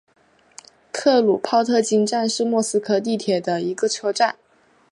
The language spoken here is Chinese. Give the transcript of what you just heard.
克鲁泡特金站是莫斯科地铁的一个车站。